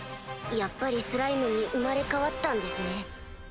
やっぱりスライムに生まれ変わったんですね。